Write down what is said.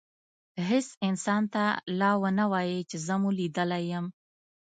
هیڅ انسان ته لا ونه وایئ چي زه مو لیدلی یم.